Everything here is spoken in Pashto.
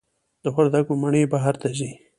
د وردګو مڼې بهر ته ځي؟